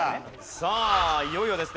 さあいよいよですね